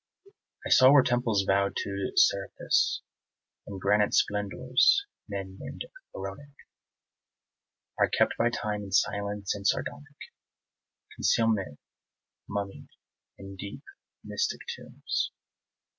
I saw where temples vowed to Serapis And granite splendours men name Pharaonic Are kept by Time in silence and sardonic Concealment mummied in deep mystic tombs.